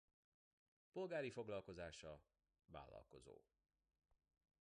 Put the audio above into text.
Polgári foglalkozása vállalkozó.